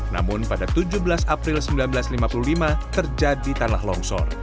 namun pada tujuh belas april seribu sembilan ratus lima puluh lima terjadi tanah longsor